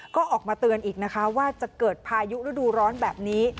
ก็ออกมาเตือนอีกนะคะว่าจะเกิดพายุฤดูร้อนแบบนี้